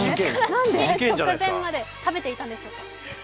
直前まで食べていたんでしょうか。